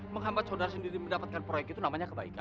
menghambat saudara sendiri mendapatkan proyek itu namanya kebaikan